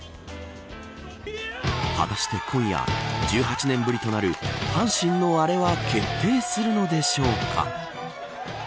果たして今夜、１８年ぶりとなる阪神のアレは決定するのでしょうか。